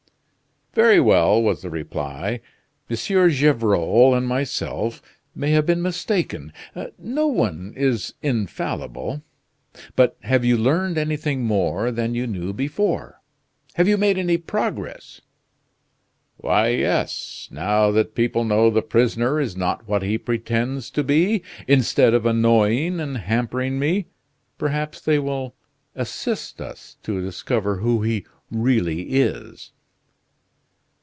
"Very well," was the reply. "M. Gevrol and myself may have been mistaken: no one is infallible. But have you learned anything more than you knew before? Have you made any progress?" "Why, yes. Now that people know the prisoner is not what he pretends to be, instead of annoying and hampering me, perhaps they will assist us to discover who he really is."